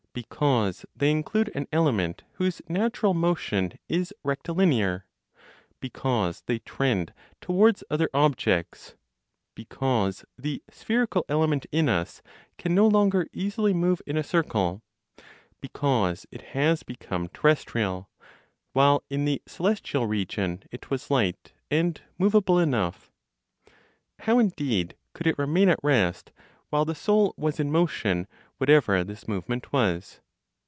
Because they include an element whose natural motion is rectilinear; because they trend towards other objects, because the spherical element in us can no longer easily move in a circle, because it has become terrestrial, while in the celestial region is was light and movable enough. How indeed could it remain at rest, while the Soul was in motion, whatever this movement was?